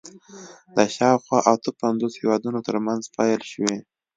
د شاوخوا اته پنځوس هېوادونو تر منځ پیل شوي